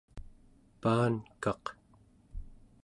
paankaq